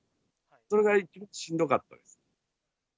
それがしんどかったです。